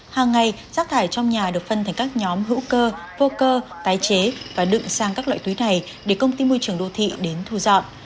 hàng ngày rác thải trong nhà được phân thành các nhóm hữu cơ vô cơ tái chế và đựng sang các loại túi này để công ty môi trường đô thị đến thu dọn